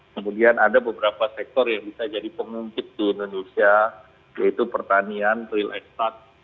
kemudian ada beberapa sektor yang bisa jadi pengungkit di indonesia yaitu pertanian real estate